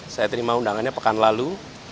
saya terima undangannya pekan lalu